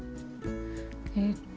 えっと